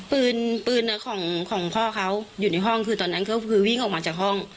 ปืนปืนของพ่อเขาอยู่ในห้องคือตอนนั้นก็คือวิ่งออกมาจากห้อง